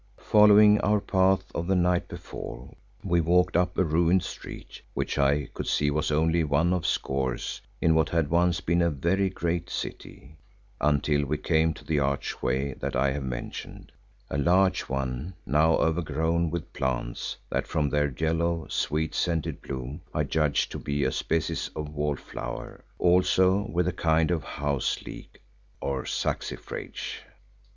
Following our path of the night before, we walked up a ruined street which I could see was only one of scores in what had once been a very great city, until we came to the archway that I have mentioned, a large one now overgrown with plants that from their yellow, sweet scented bloom I judged to be a species of wallflower, also with a kind of houseleek or saxifrage.